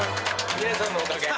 皆さんのおかげ。